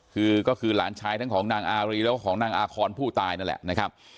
คือก็คือหลานชายทั้งของนางอารีแล้วก็ของนางอาคอนผู้ตายนั่นแหละนะครับ